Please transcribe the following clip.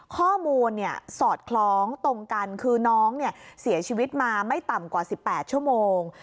ข้อมูลสอดคล้องตรงกันคือน้องเสียชีวิตมาไม่ต่ำกว่า๑๘ชั่วโมง